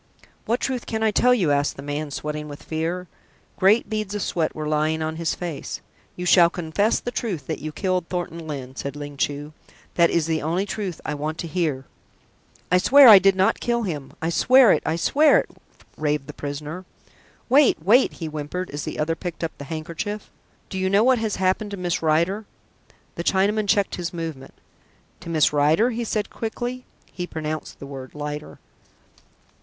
"What truth can I tell you?" asked the man, sweating with fear. Great beads of sweat were lying on his face. "You shall confess the truth that you killed Thornton Lyne," said Ling Chu. "That is the only truth I want to hear." "I swear I did not kill him! I swear it, I swear it!" raved the prisoner. "Wait, wait!" he whimpered as the other picked up the handkerchief. "Do you know what has happened to Miss Rider?" The Chinaman checked his movement. "To Miss Rider?" he said quickly. (He pronounced the word "Lider.")